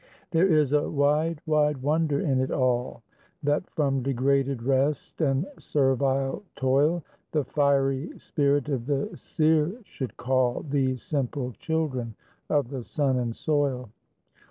There is a wide, wide wonder in it all, That from degraded rest and servile toil The fiery spirit of the seer should call These simple children of the sun and soil.